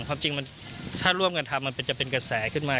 ความจริงมันถ้าร่วมกันทำมันจะเป็นกระแสขึ้นมา